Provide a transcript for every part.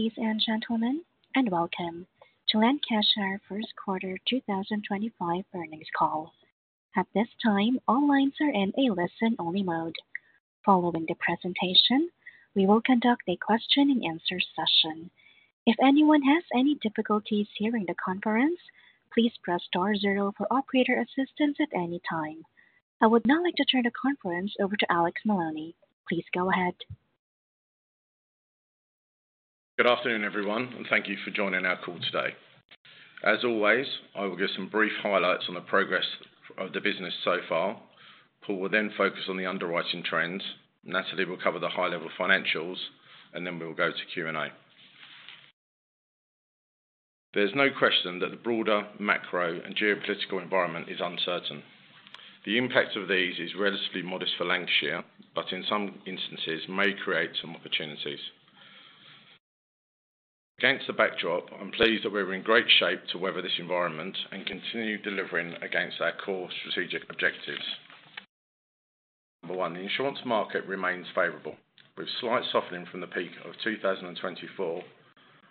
Ladies and gentlemen, and welcome to Lancashire First Quarter 2025 earnings call. At this time, all lines are in a listen-only mode. Following the presentation, we will conduct a question-and-answer session. If anyone has any difficulties hearing the conference, please press star zero for operator assistance at any time. I would now like to turn the conference over to Alex Maloney. Please go ahead. Good afternoon, everyone, and thank you for joining our call today. As always, I will give some brief highlights on the progress of the business so far. Paul will then focus on the underwriting trends. Natalie will cover the high-level financials, and then we will go to Q&A. There is no question that the broader macro and geopolitical environment is uncertain. The impact of these is relatively modest for Lancashire, but in some instances may create some opportunities. Against the backdrop, I am pleased that we are in great shape to weather this environment and continue delivering against our core strategic objectives. Number one, the insurance market remains favorable, with slight softening from the peak of 2024.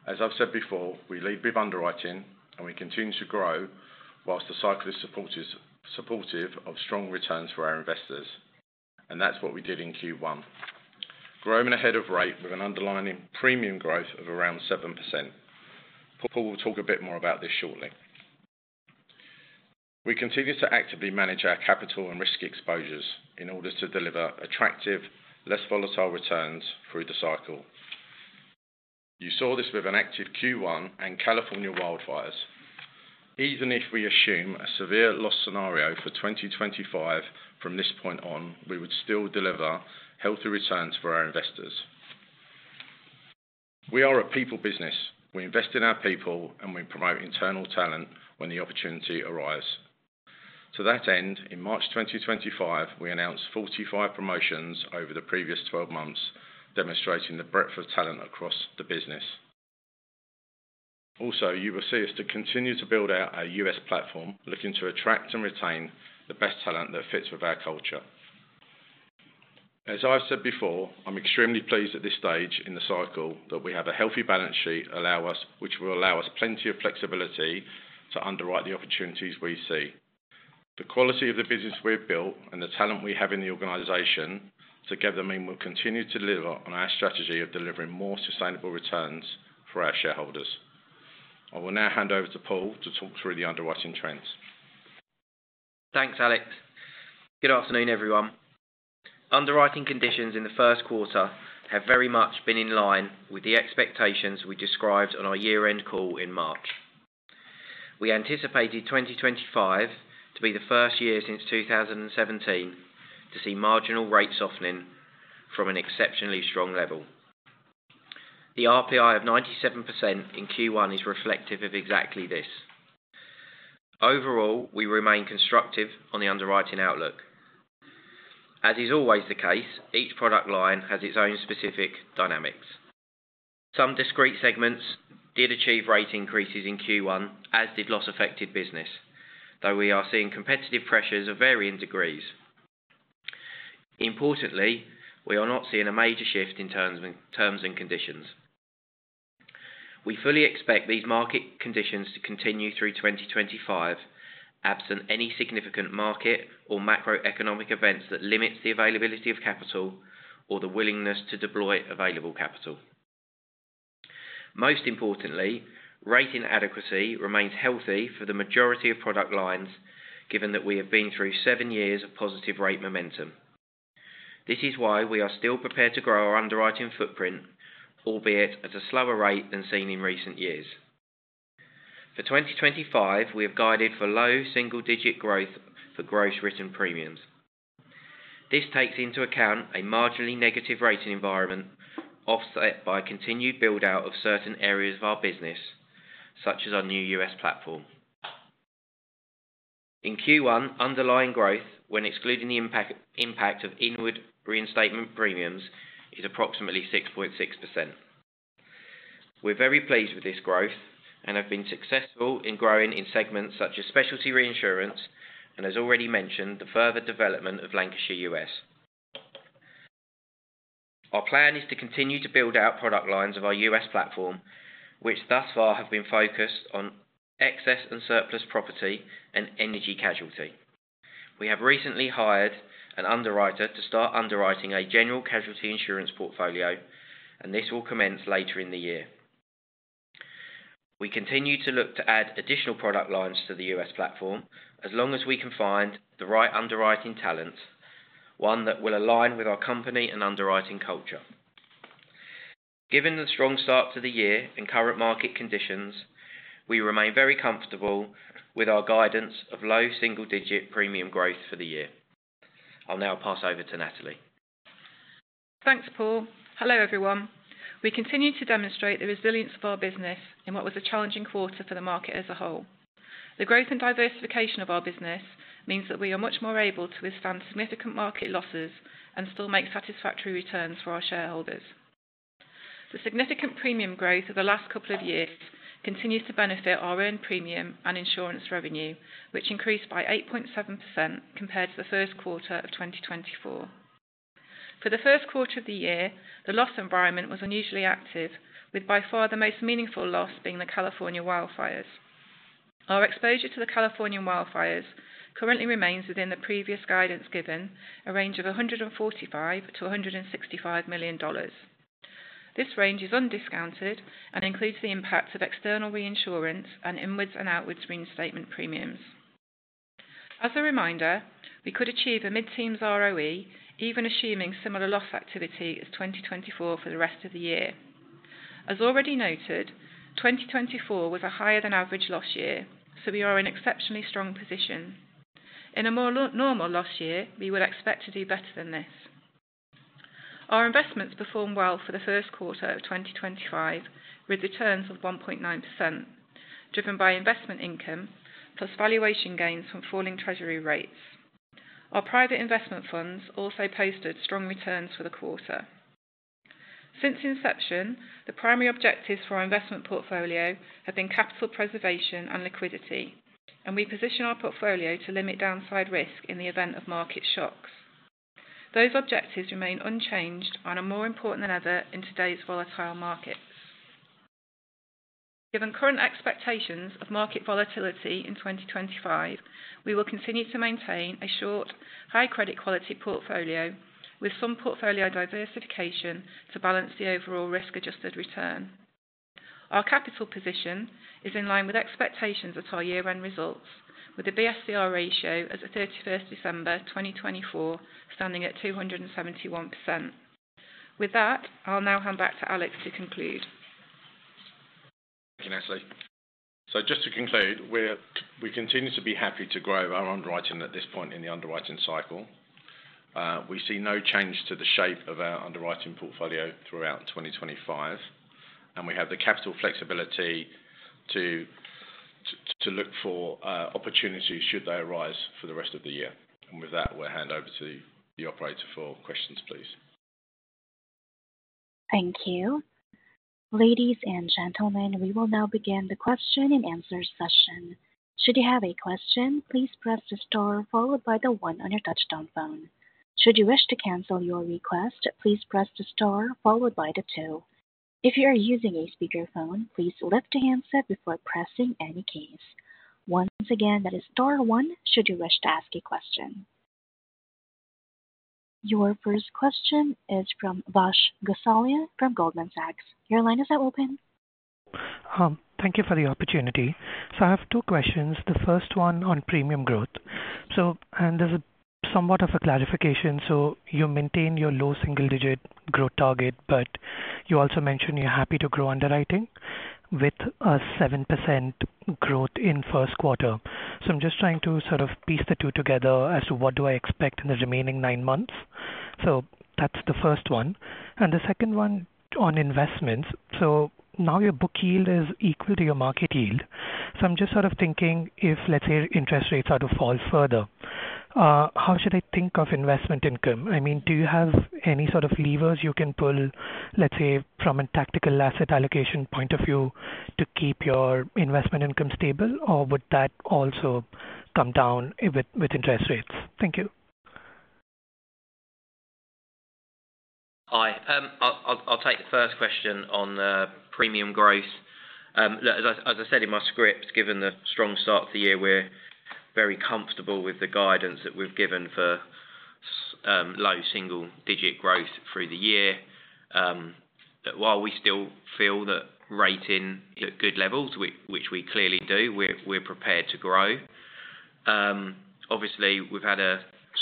As I have said before, we lead with underwriting, and we continue to grow whilst the cycle is supportive of strong returns for our investors, and that is what we did in Q1. Growing ahead of rate with an underlying premium growth of around 7%. Paul will talk a bit more about this shortly. We continue to actively manage our capital and risk exposures in order to deliver attractive, less volatile returns through the cycle. You saw this with an active Q1 and California wildfires. Even if we assume a severe loss scenario for 2025 from this point on, we would still deliver healthy returns for our investors. We are a people business. We invest in our people, and we promote internal talent when the opportunity arises. To that end, in March 2025, we announced 45 promotions over the previous 12 months, demonstrating the breadth of talent across the business. Also, you will see us continue to build out our U.S. platform, looking to attract and retain the best talent that fits with our culture. As I've said before, I'm extremely pleased at this stage in the cycle that we have a healthy balance sheet which will allow us plenty of flexibility to underwrite the opportunities we see. The quality of the business we've built and the talent we have in the organization together mean we'll continue to deliver on our strategy of delivering more sustainable returns for our shareholders. I will now hand over to Paul to talk through the underwriting trends. Thanks, Alex. Good afternoon, everyone. Underwriting conditions in the first quarter have very much been in line with the expectations we described on our year-end call in March. We anticipated 2025 to be the first year since 2017 to see marginal rate softening from an exceptionally strong level. The RPI of 97% in Q1 is reflective of exactly this. Overall, we remain constructive on the underwriting outlook. As is always the case, each product line has its own specific dynamics. Some discrete segments did achieve rate increases in Q1, as did loss-affected business, though we are seeing competitive pressures of varying degrees. Importantly, we are not seeing a major shift in terms and conditions. We fully expect these market conditions to continue through 2025, absent any significant market or macroeconomic events that limit the availability of capital or the willingness to deploy available capital. Most importantly, rating adequacy remains healthy for the majority of product lines, given that we have been through seven years of positive rate momentum. This is why we are still prepared to grow our underwriting footprint, albeit at a slower rate than seen in recent years. For 2025, we have guided for low single-digit growth for gross written premiums. This takes into account a marginally negative rating environment offset by continued build-out of certain areas of our business, such as our new U.S. platform. In Q1, underlying growth, when excluding the impact of inward reinstatement premiums, is approximately 6.6%. We're very pleased with this growth and have been successful in growing in segments such as specialty reinsurance and, as already mentioned, the further development of Lancashire U.S.. Our plan is to continue to build out product lines of our U.S. platform, which thus far have been focused on excess and surplus property and energy casualty. We have recently hired an underwriter to start underwriting a general casualty insurance portfolio, and this will commence later in the year. We continue to look to add additional product lines to the U.S. platform as long as we can find the right underwriting talent, one that will align with our company and underwriting culture. Given the strong start to the year and current market conditions, we remain very comfortable with our guidance of low single-digit premium growth for the year. I'll now pass over to Natalie. Thanks, Paul. Hello, everyone. We continue to demonstrate the resilience of our business in what was a challenging quarter for the market as a whole. The growth and diversification of our business means that we are much more able to withstand significant market losses and still make satisfactory returns for our shareholders. The significant premium growth of the last couple of years continues to benefit our own premium and insurance revenue, which increased by 8.7% compared to the first quarter of 2024. For the first quarter of the year, the loss environment was unusually active, with by far the most meaningful loss being the California wildfires. Our exposure to the California wildfires currently remains within the previous guidance given, a range of $145-$165 million. This range is undiscounted and includes the impact of external reinsurance and inwards and outwards reinstatement premiums. As a reminder, we could achieve a mid-teens ROE, even assuming similar loss activity as 2024 for the rest of the year. As already noted, 2024 was a higher-than-average loss year, so we are in an exceptionally strong position. In a more normal loss year, we would expect to do better than this. Our investments performed well for the first quarter of 2024, with returns of 1.9%, driven by investment income plus valuation gains from falling treasury rates. Our private investment funds also posted strong returns for the quarter. Since inception, the primary objectives for our investment portfolio have been capital preservation and liquidity, and we position our portfolio to limit downside risk in the event of market shocks. Those objectives remain unchanged and are more important than ever in today's volatile markets. Given current expectations of market volatility in 2025, we will continue to maintain a short, high-credit quality portfolio, with some portfolio diversification to balance the overall risk-adjusted return. Our capital position is in line with expectations at our year-end results, with the BSCR ratio as of 31st December 2024 standing at 271%. With that, I'll now hand back to Alex to conclude. Thank you, Natalie. Just to conclude, we continue to be happy to grow our underwriting at this point in the underwriting cycle. We see no change to the shape of our underwriting portfolio throughout 2025, and we have the capital flexibility to look for opportunities should they arise for the rest of the year. With that, we'll hand over to the operator for questions, please. Thank you. Ladies and gentlemen, we will now begin the question-and-answer session. Should you have a question, please press the star followed by the one on your touch-tone phone. Should you wish to cancel your request, please press the star followed by the two. If you are using a speakerphone, please lift the handset before pressing any keys. Once again, that is star one should you wish to ask a question. Your first question is from Vash Gosalia from Goldman Sachs. Your line is open. Thank you for the opportunity. I have two questions. The first one on premium growth. There is somewhat of a clarification. You maintain your low single-digit growth target, but you also mentioned you are happy to grow underwriting with a 7% growth in first quarter. I am just trying to sort of piece the two together as to what do I expect in the remaining nine months. That is the first one. The second one on investments. Now your book yield is equal to your market yield. I am just sort of thinking if, let's say, interest rates are to fall further, how should I think of investment income? I mean, do you have any sort of levers you can pull, let's say, from a tactical asset allocation point of view to keep your investment income stable, or would that also come down with interest rates? Thank you. Hi. I'll take the first question on premium growth. As I said in my script, given the strong start to the year, we're very comfortable with the guidance that we've given for low single-digit growth through the year. While we still feel that rating is at good levels, which we clearly do, we're prepared to grow. Obviously, we've had a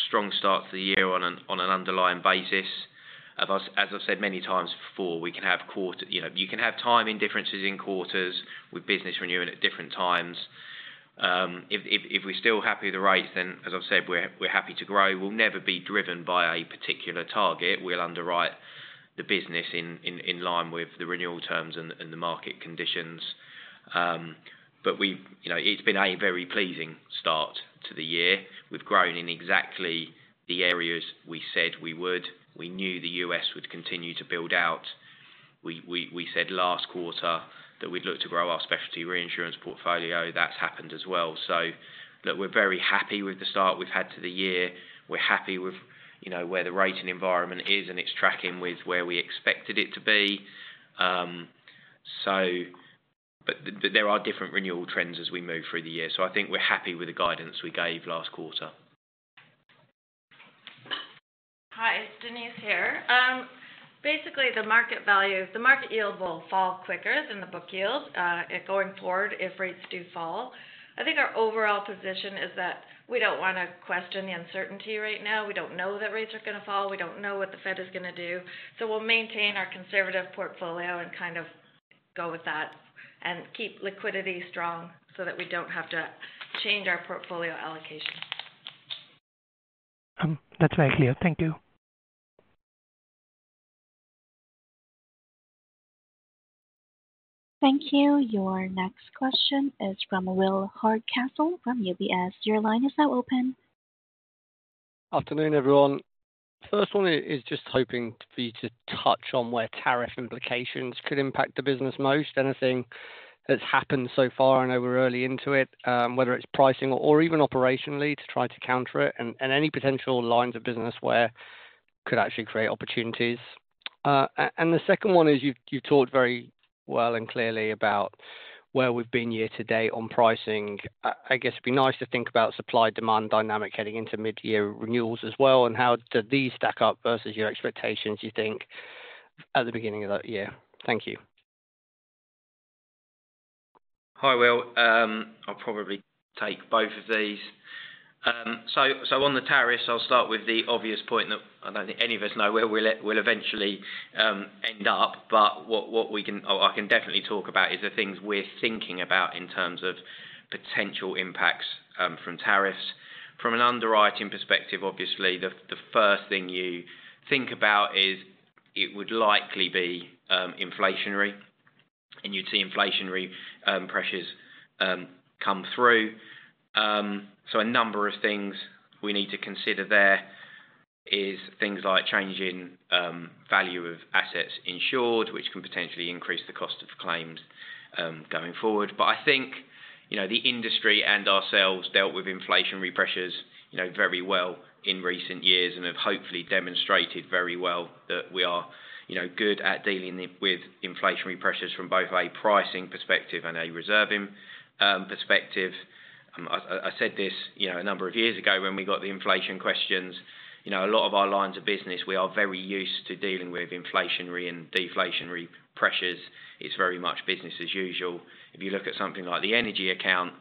strong start to the year on an underlying basis. As I've said many times before, we can have time indifferences in quarters with business renewing at different times. If we're still happy with the rates, then, as I've said, we're happy to grow. We'll never be driven by a particular target. We'll underwrite the business in line with the renewal terms and the market conditions. It has been a very pleasing start to the year. We've grown in exactly the areas we said we would. We knew the U.S. would continue to build out. We said last quarter that we'd look to grow our specialty reinsurance portfolio. That's happened as well. Look, we're very happy with the start we've had to the year. We're happy with where the rating environment is, and it's tracking with where we expected it to be. There are different renewal trends as we move through the year. I think we're happy with the guidance we gave last quarter. Hi, it's Denise here. Basically, the market yield will fall quicker than the book yield going forward if rates do fall. I think our overall position is that we don't want to question the uncertainty right now. We don't know that rates are going to fall. We don't know what the Fed is going to do. We will maintain our conservative portfolio and kind of go with that and keep liquidity strong so that we don't have to change our portfolio allocation. That's very clear. Thank you. Thank you. Your next question is from Will Hardcastle from UBS. Your line is now open. Afternoon, everyone. First one is just hoping for you to touch on where tariff implications could impact the business most. Anything that's happened so far, I know we're early into it, whether it's pricing or even operationally, to try to counter it and any potential lines of business where it could actually create opportunities. The second one is you've talked very well and clearly about where we've been year to date on pricing. I guess it'd be nice to think about supply-demand dynamic heading into mid-year renewals as well and how do these stack up versus your expectations, you think, at the beginning of that year. Thank you. Hi, Will. I'll probably take both of these. On the tariffs, I'll start with the obvious point that I don't think any of us know where we'll eventually end up. What I can definitely talk about is the things we're thinking about in terms of potential impacts from tariffs. From an underwriting perspective, obviously, the first thing you think about is it would likely be inflationary, and you'd see inflationary pressures come through. A number of things we need to consider there is things like changing value of assets insured, which can potentially increase the cost of claims going forward. I think the industry and ourselves dealt with inflationary pressures very well in recent years and have hopefully demonstrated very well that we are good at dealing with inflationary pressures from both a pricing perspective and a reserving perspective. I said this a number of years ago when we got the inflation questions. A lot of our lines of business, we are very used to dealing with inflationary and deflationary pressures. It's very much business as usual. If you look at something like the energy account,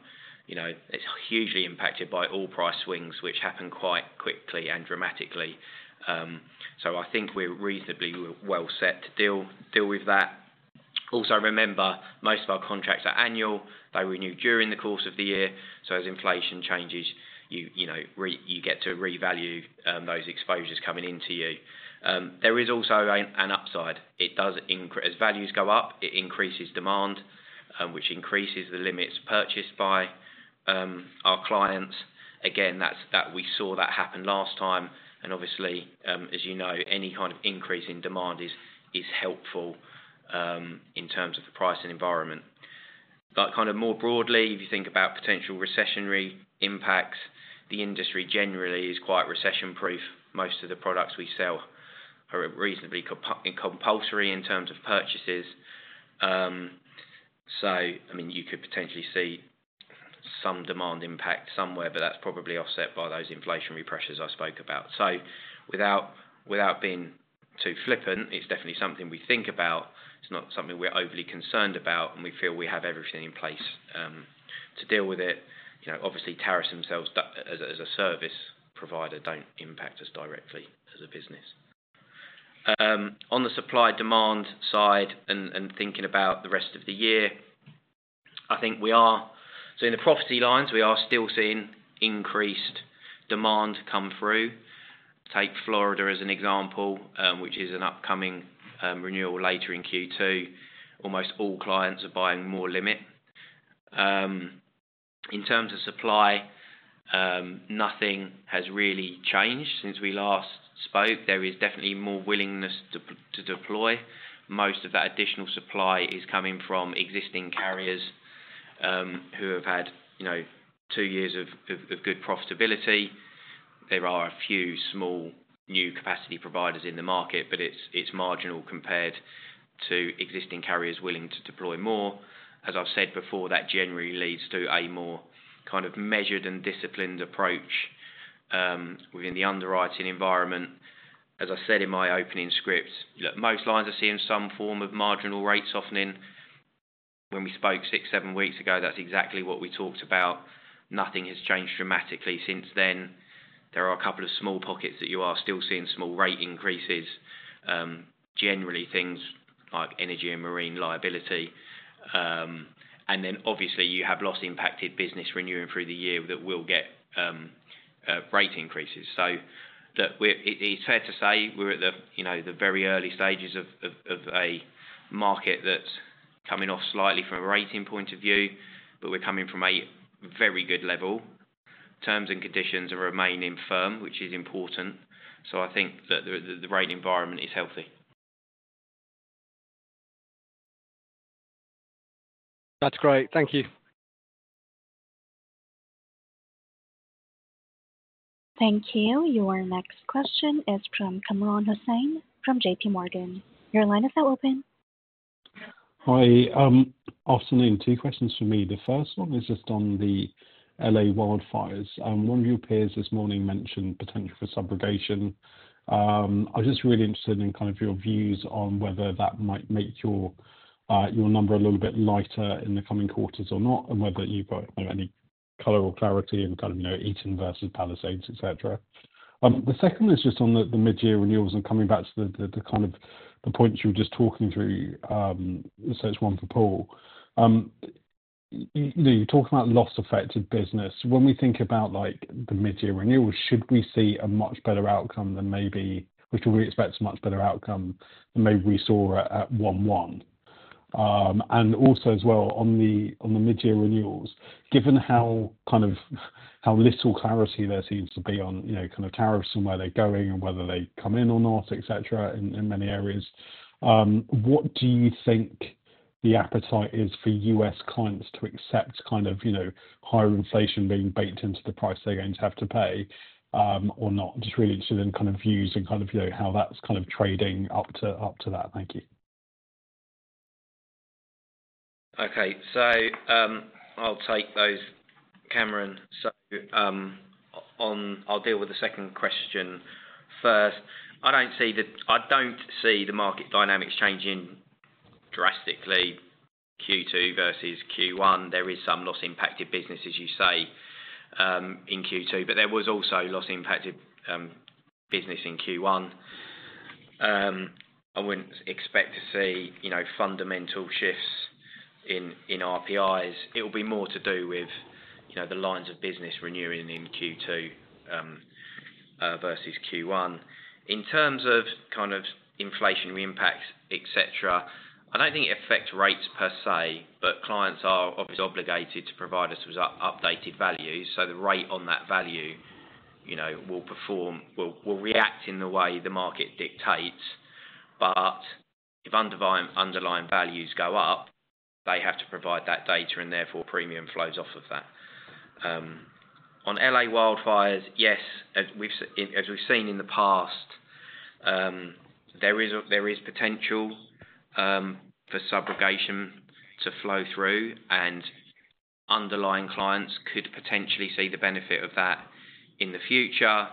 it's hugely impacted by oil price swings, which happen quite quickly and dramatically. I think we're reasonably well set to deal with that. Also, remember, most of our contracts are annual. They renew during the course of the year. As inflation changes, you get to revalue those exposures coming into you. There is also an upside. As values go up, it increases demand, which increases the limits purchased by our clients. We saw that happen last time. Obviously, as you know, any kind of increase in demand is helpful in terms of the price and environment. Kind of more broadly, if you think about potential recessionary impacts, the industry generally is quite recession-proof. Most of the products we sell are reasonably compulsory in terms of purchases. I mean, you could potentially see some demand impact somewhere, but that's probably offset by those inflationary pressures I spoke about. Without being too flippant, it's definitely something we think about. It's not something we're overly concerned about, and we feel we have everything in place to deal with it. Obviously, tariffs themselves as a service provider do not impact us directly as a business. On the supply-demand side and thinking about the rest of the year, I think we are seeing the property lines. We are still seeing increased demand come through. Take Florida as an example, which is an upcoming renewal later in Q2. Almost all clients are buying more limit. In terms of supply, nothing has really changed since we last spoke. There is definitely more willingness to deploy. Most of that additional supply is coming from existing carriers who have had two years of good profitability. There are a few small new capacity providers in the market, but it's marginal compared to existing carriers willing to deploy more. As I've said before, that generally leads to a more kind of measured and disciplined approach within the underwriting environment. As I said in my opening script, look, most lines are seeing some form of marginal rate softening. When we spoke six, seven weeks ago, that's exactly what we talked about. Nothing has changed dramatically since then. There are a couple of small pockets that you are still seeing small rate increases, generally things like energy and marine liability. Obviously, you have loss-impacted business renewing through the year that will get rate increases. It is fair to say we are at the very early stages of a market that is coming off slightly from a rating point of view, but we are coming from a very good level. Terms and conditions are remaining firm, which is important. I think that the rating environment is healthy. That's great. Thank you. Thank you. Your next question is from Kamran Hossain from JPMorgan. Your line is now open. Hi. Afternoon. Two questions for me. The first one is just on the LA wildfires. One of your peers this morning mentioned potential for subrogation. I'm just really interested in kind of your views on whether that might make your number a little bit lighter in the coming quarters or not, and whether you've got any color or clarity in kind of Eaton versus Palisades, etc. The second one is just on the mid-year renewals and coming back to the kind of the points you were just talking through. It is one for Paul. You're talking about loss-affected business. When we think about the mid-year renewals, should we see a much better outcome than maybe which we expect a much better outcome than maybe we saw at one-one? Also as well on the mid-year renewals, given how little clarity there seems to be on tariffs and where they're going and whether they come in or not, etc., in many areas, what do you think the appetite is for U.S. clients to accept higher inflation being baked into the price they're going to have to pay or not? Just really interested in views and how that's trading up to that. Thank you. Okay. I'll take those, Kamran. I'll deal with the second question first. I don't see the market dynamics changing drastically Q2 versus Q1. There is some loss-impacted business, as you say, in Q2, but there was also loss-impacted business in Q1. I wouldn't expect to see fundamental shifts in RPIs. It will be more to do with the lines of business renewing in Q2 versus Q1. In terms of kind of inflationary impacts, etc., I don't think it affects rates per se, but clients are obviously obligated to provide us with updated values. The rate on that value will react in the way the market dictates. If underlying values go up, they have to provide that data, and therefore premium flows off of that. On LA wildfires, yes, as we've seen in the past, there is potential for subrogation to flow through, and underlying clients could potentially see the benefit of that in the future.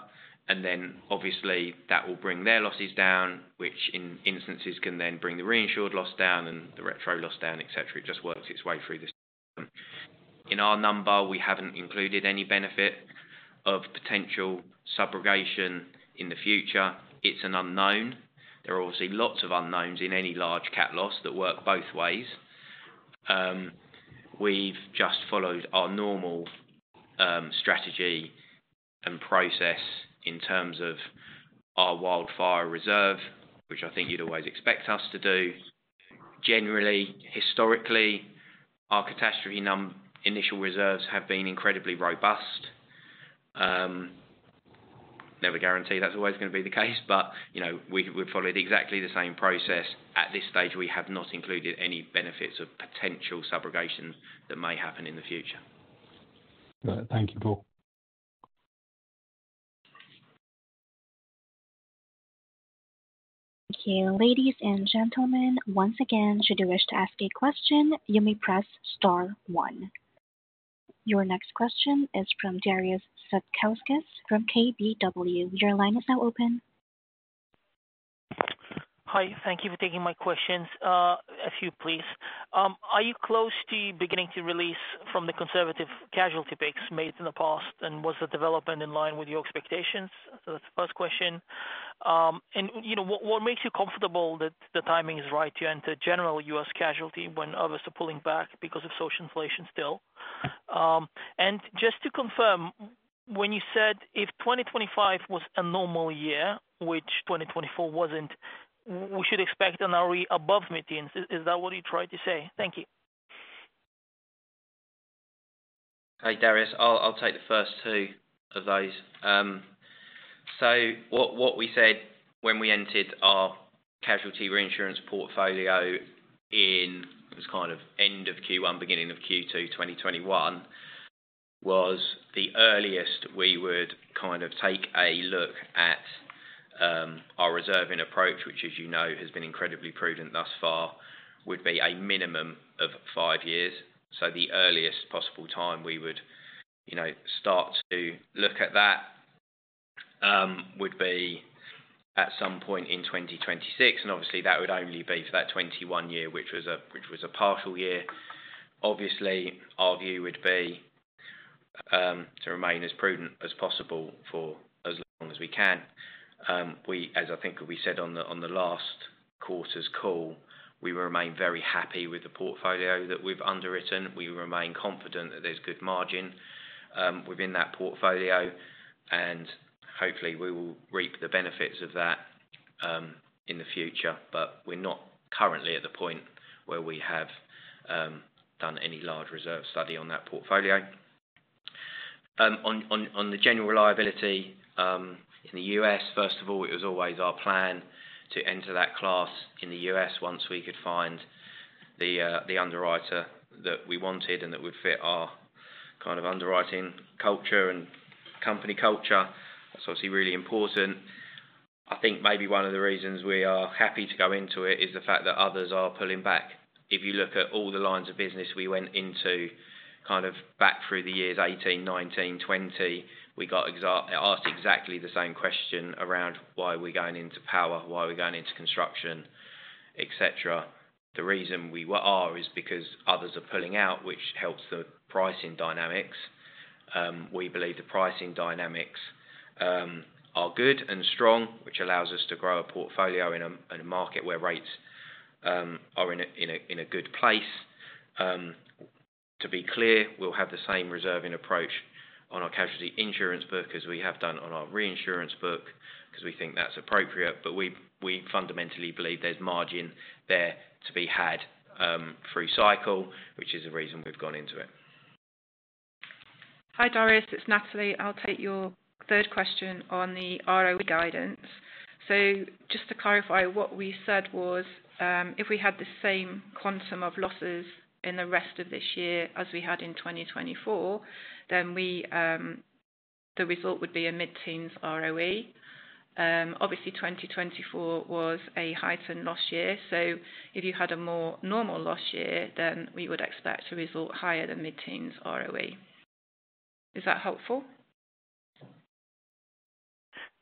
Obviously, that will bring their losses down, which in instances can then bring the reinsured loss down and the retro loss down, etc. It just works its way through the system. In our number, we haven't included any benefit of potential subrogation in the future. It's an unknown. There are obviously lots of unknowns in any large cat loss that work both ways. We've just followed our normal strategy and process in terms of our wildfire reserve, which I think you'd always expect us to do. Generally, historically, our catastrophe initial reserves have been incredibly robust. Never guarantee that's always going to be the case, but we've followed exactly the same process. At this stage, we have not included any benefits of potential subrogation that may happen in the future. Right. Thank you, Paul. Thank you. Ladies and gentlemen, once again, should you wish to ask a question, you may press star one. Your next question is from Darius Satkauskas from KBW. Your line is now open. Hi. Thank you for taking my questions. A few, please. Are you close to beginning to release from the conservative casualty picks made in the past? Was the development in line with your expectations? That is the first question. What makes you comfortable that the timing is right to enter general U.S. casualty when others are pulling back because of social inflation still? Just to confirm, when you said if 2025 was a normal year, which 2024 was not, we should expect an ROE above mid-years. Is that what you tried to say? Thank you. Hi, Darius. I'll take the first two of those. What we said when we entered our casualty reinsurance portfolio in kind of end of Q1, beginning of Q2 2021, was the earliest we would kind of take a look at our reserving approach, which, as you know, has been incredibly prudent thus far, would be a minimum of five years. The earliest possible time we would start to look at that would be at some point in 2026. Obviously, that would only be for that 2021 year, which was a partial year. Obviously, our view would be to remain as prudent as possible for as long as we can. As I think we said on the last quarter's call, we remain very happy with the portfolio that we've underwritten. We remain confident that there's good margin within that portfolio. Hopefully, we will reap the benefits of that in the future. We are not currently at the point where we have done any large reserve study on that portfolio. On the general liability in the U.S., first of all, it was always our plan to enter that class in the US once we could find the underwriter that we wanted and that would fit our kind of underwriting culture and company culture. That is obviously really important. I think maybe one of the reasons we are happy to go into it is the fact that others are pulling back. If you look at all the lines of business we went into back through the years 2018, 2019, 2020, we got asked exactly the same question around why we are going into power, why we are going into construction, etc. The reason we are is because others are pulling out, which helps the pricing dynamics. We believe the pricing dynamics are good and strong, which allows us to grow a portfolio in a market where rates are in a good place. To be clear, we'll have the same reserving approach on our casualty insurance book as we have done on our reinsurance book because we think that's appropriate. We fundamentally believe there's margin there to be had through cycle, which is the reason we've gone into it. Hi, Darius. It's Natalie. I'll take your third question on the ROE guidance. Just to clarify, what we said was if we had the same quantum of losses in the rest of this year as we had in 2024, then the result would be a mid-teens ROE. Obviously, 2024 was a heightened loss year. If you had a more normal loss year, we would expect a result higher than mid-teens ROE. Is that helpful?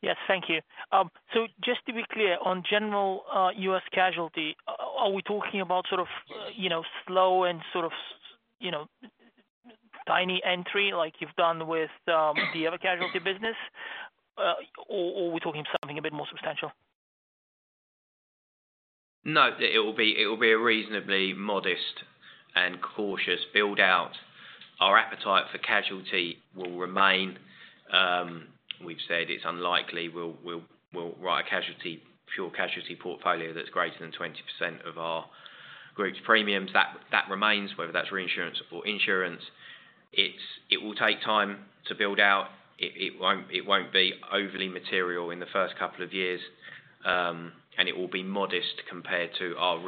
Yes. Thank you. Just to be clear, on general U.S. casualty, are we talking about sort of slow and sort of tiny entry like you've done with the other casualty business, or are we talking something a bit more substantial? No. It will be a reasonably modest and cautious build-out. Our appetite for casualty will remain. We've said it's unlikely we'll write a pure casualty portfolio that's greater than 20% of our group's premiums. That remains, whether that's reinsurance or insurance. It will take time to build out. It won't be overly material in the first couple of years, and it will be modest compared to our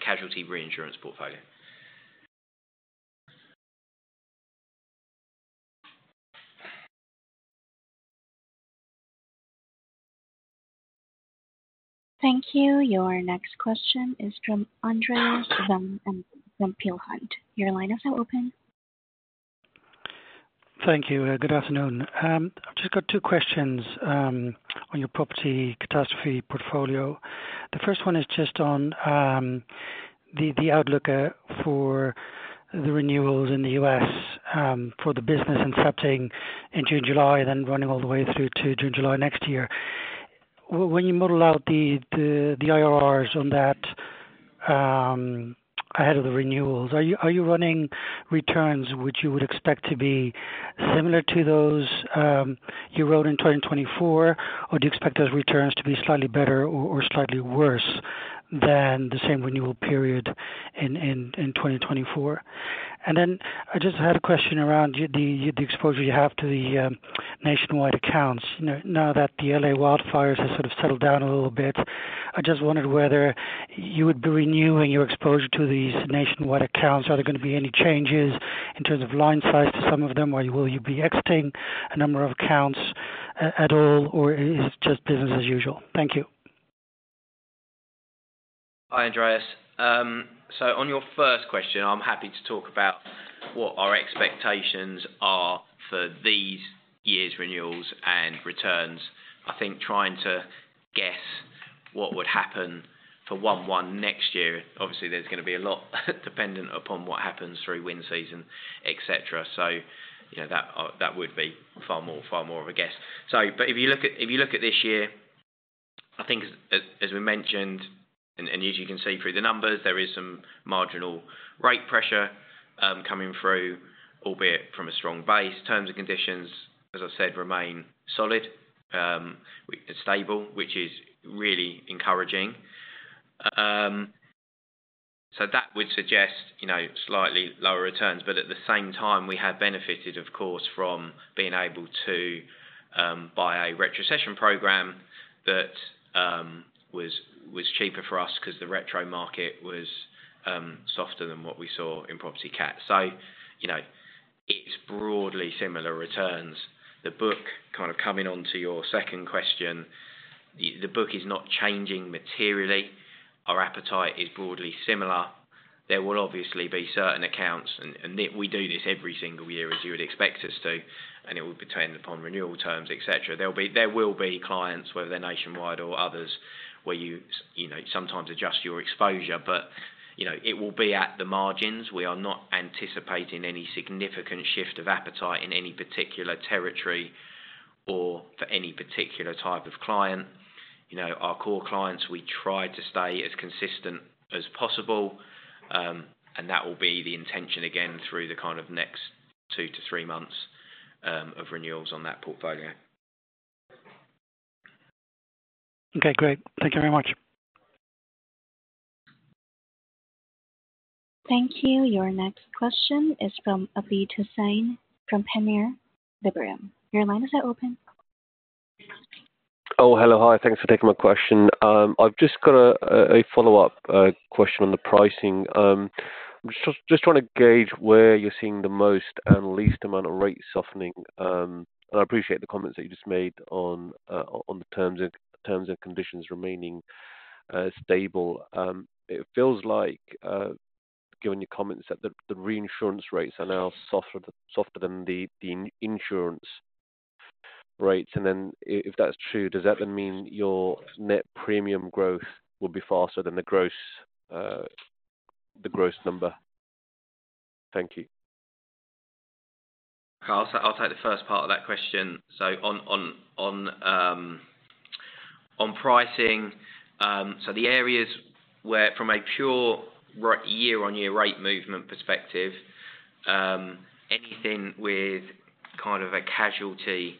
casualty reinsurance portfolio. Thank you. Your next question is from Andreas van Embden and from Peel Hunt. Your line is now open. Thank you. Good afternoon. I've just got two questions on your property catastrophe portfolio. The first one is just on the outlook for the renewals in the U.S. for the business incepting in June-July, then running all the way through to June-July next year. When you model out the IRRs on that ahead of the renewals, are you running returns which you would expect to be similar to those you wrote in 2024, or do you expect those returns to be slightly better or slightly worse than the same renewal period in 2024? I just had a question around the exposure you have to the nationwide accounts. Now that the Los Angeles wildfires have sort of settled down a little bit, I just wondered whether you would be renewing your exposure to these nationwide accounts. Are there going to be any changes in terms of line size to some of them, or will you be exiting a number of accounts at all, or is it just business as usual? Thank you. Hi, Andreas. On your first question, I'm happy to talk about what our expectations are for this year's renewals and returns. I think trying to guess what would happen for one-one next year, obviously, there's going to be a lot dependent upon what happens through wind season, etc. That would be far more of a guess. If you look at this year, I think, as we mentioned, and as you can see through the numbers, there is some marginal rate pressure coming through, albeit from a strong base. Terms and conditions, as I've said, remain solid and stable, which is really encouraging. That would suggest slightly lower returns. At the same time, we have benefited, of course, from being able to buy a retrocession program that was cheaper for us because the retro market was softer than what we saw in property cat. It is broadly similar returns. The book, kind of coming on to your second question, the book is not changing materially. Our appetite is broadly similar. There will obviously be certain accounts, and we do this every single year, as you would expect us to, and it will be dependent upon renewal terms, etc. There will be clients, whether they are nationwide or others, where you sometimes adjust your exposure, but it will be at the margins. We are not anticipating any significant shift of appetite in any particular territory or for any particular type of client. Our core clients, we try to stay as consistent as possible, and that will be the intention again through the kind of next two to three months of renewals on that portfolio. Okay. Great. Thank you very much. Thank you. Your next question is from Abid Hussain from Panmure Liberum. Your line is now open. Oh, hello. Hi. Thanks for taking my question. I've just got a follow-up question on the pricing. I'm just trying to gauge where you're seeing the most and least amount of rate softening. I appreciate the comments that you just made on the terms and conditions remaining stable. It feels like, given your comments, that the reinsurance rates are now softer than the insurance rates. If that's true, does that then mean your net premium growth will be faster than the gross number? Thank you. I'll take the first part of that question. On pricing, the areas where from a pure year-on-year rate movement perspective, anything with kind of a casualty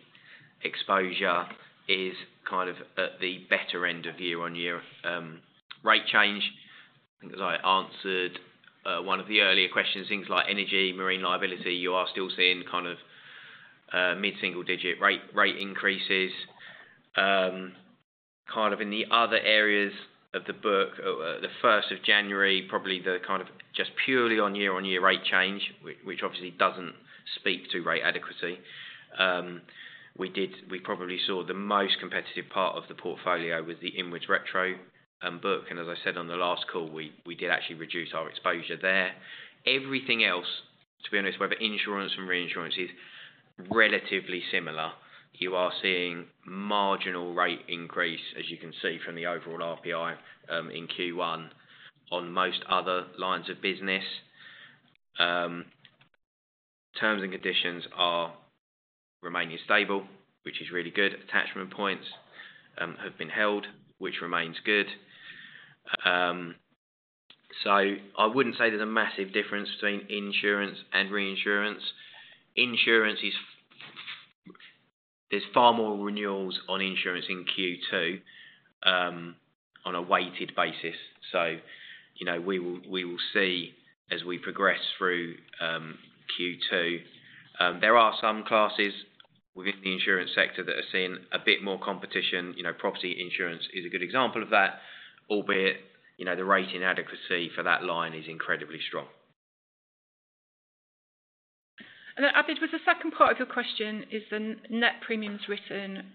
exposure is kind of at the better end of year-on-year rate change. I think as I answered one of the earlier questions, things like energy, marine liability, you are still seeing kind of mid-single-digit rate increases. In the other areas of the book, the 1st of January, probably just purely on year-on-year rate change, which obviously does not speak to rate adequacy. We probably saw the most competitive part of the portfolio was the inwards retro book. As I said on the last call, we did actually reduce our exposure there. Everything else, to be honest, whether insurance and reinsurance, is relatively similar. You are seeing marginal rate increase, as you can see from the overall RPI in Q1 on most other lines of business. Terms and conditions are remaining stable, which is really good. Attachment points have been held, which remains good. I would not say there is a massive difference between insurance and reinsurance. There are far more renewals on insurance in Q2 on a weighted basis. We will see as we progress through Q2. There are some classes within the insurance sector that are seeing a bit more competition. Property insurance is a good example of that, albeit the rating adequacy for that line is incredibly strong. Abid, was the second part of your question, is the net premiums written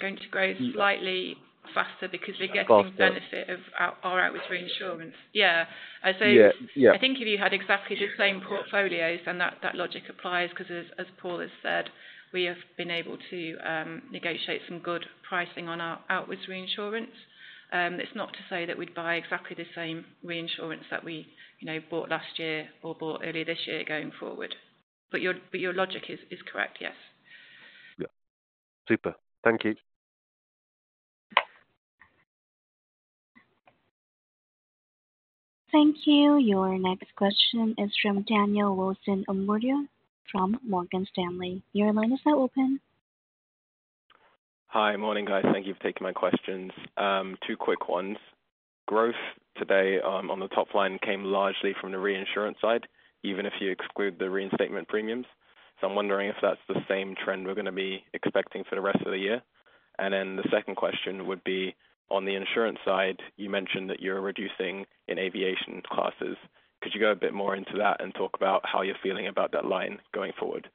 going to grow slightly faster because they're getting the benefit of our outwards reinsurance? Yeah. Yeah. I think if you had exactly the same portfolios, then that logic applies because, as Paul has said, we have been able to negotiate some good pricing on our outwards reinsurance. It's not to say that we'd buy exactly the same reinsurance that we bought last year or bought earlier this year going forward. Your logic is correct, yes. Yeah. Super. Thank you. Thank you. Your next question is from Daniel Wilson Omordia from Morgan Stanley. Your line is now open. Hi. Morning, guys. Thank you for taking my questions. Two quick ones. The growth today on the top line came largely from the reinsurance side, even if you exclude the reinstatement premiums. I'm wondering if that's the same trend we're going to be expecting for the rest of the year. The second question would be on the insurance side. You mentioned that you're reducing in aviation classes. Could you go a bit more into that and talk about how you're feeling about that line going forward?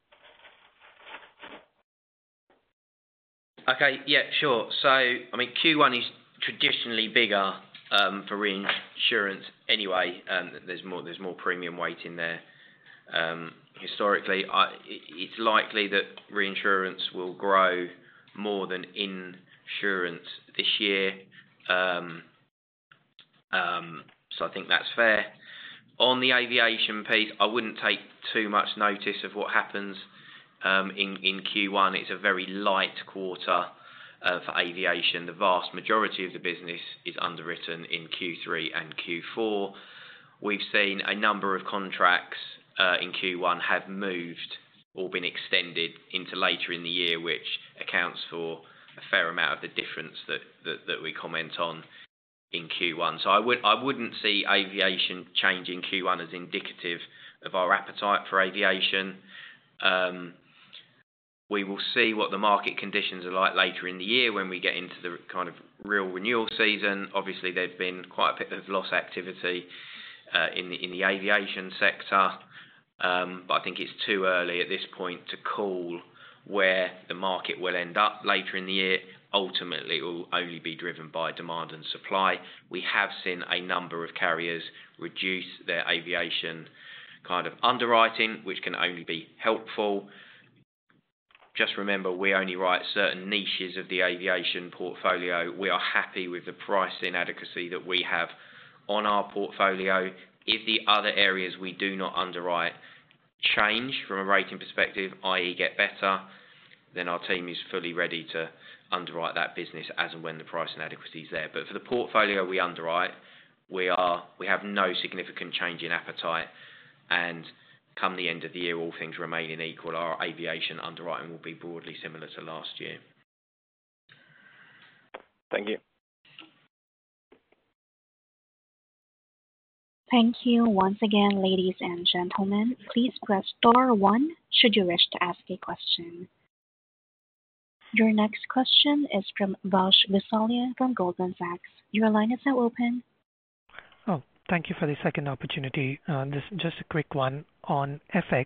Okay. Yeah. Sure. I mean, Q1 is traditionally bigger for reinsurance anyway. There is more premium weight in there. Historically, it is likely that reinsurance will grow more than insurance this year. I think that is fair. On the aviation piece, I would not take too much notice of what happens in Q1. It is a very light quarter for aviation. The vast majority of the business is underwritten in Q3 and Q4. We have seen a number of contracts in Q1 have moved or been extended into later in the year, which accounts for a fair amount of the difference that we comment on in Q1. I would not see Aviation changing Q1 as indicative of our appetite for Aviation. We will see what the market conditions are like later in the year when we get into the kind of real renewal season. Obviously, there's been quite a bit of loss activity in the aviation sector, but I think it's too early at this point to call where the market will end up later in the year. Ultimately, it will only be driven by demand and supply. We have seen a number of carriers reduce their aviation kind of underwriting, which can only be helpful. Just remember, we only write certain niches of the aviation portfolio. We are happy with the pricing adequacy that we have on our portfolio. If the other areas we do not underwrite change from a rating perspective, i.e., get better, then our team is fully ready to underwrite that business as and when the pricing adequacy is there. For the portfolio we underwrite, we have no significant change in appetite. Come the end of the year, all things remaining equal, our Aviation Underwriting will be broadly similar to last year. Thank you. Thank you once again, ladies and gentlemen. Please press star one should you wish to ask a question. Your next question is from Vash Gosalia from Goldman Sachs. Your line is now open. Oh, thank you for the second opportunity. Just a quick one on FX.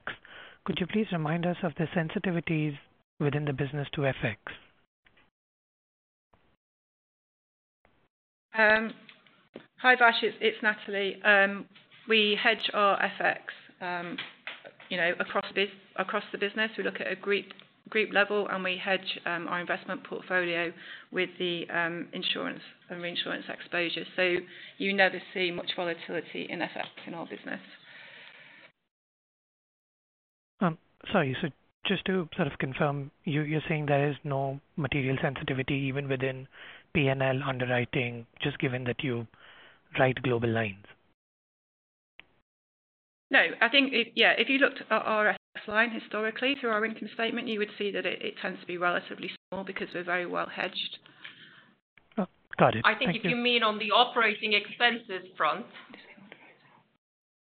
Could you please remind us of the sensitivities within the business to FX? Hi, Vash. It's Natalie. We hedge our FX across the business. We look at a group level, and we hedge our investment portfolio with the insurance and reinsurance exposures. You never see much volatility in FX in our business. Sorry. Just to sort of confirm, you're saying there is no material sensitivity even within P&L underwriting, just given that you write global lines? No. Yeah. If you looked at our FX line historically through our income statement, you would see that it tends to be relatively small because we're very well hedged. Got it. I think you mean on the operating expenses front?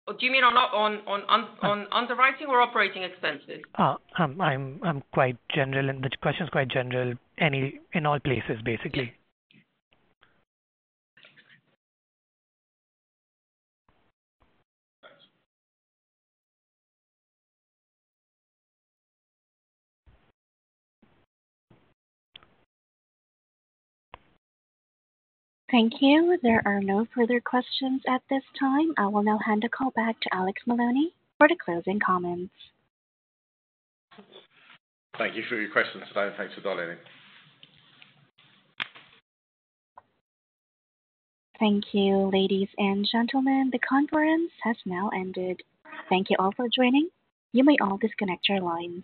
Or do you mean on underwriting or operating expenses? I'm quite general, and the question's quite general. In all places, basically. Thank you. There are no further questions at this time. I will now hand the call back to Alex Maloney for the closing comments. Thank you for your questions today, and thanks for dialing in. Thank you, ladies and gentlemen. The conference has now ended. Thank you all for joining. You may all disconnect your lines.